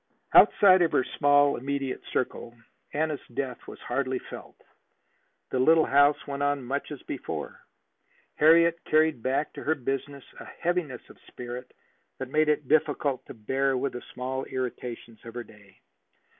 Outside of her small immediate circle Anna's death was hardly felt. The little house went on much as before. Harriet carried back to her business a heaviness of spirit that made it difficult to bear with the small irritations of her day.